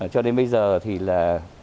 cho đến bây giờ thì là